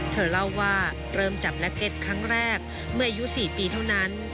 เธอเล่าว่าเริ่มจับแล็กเก็ตครั้งแรกเมื่ออายุ๔ปีเท่านั้น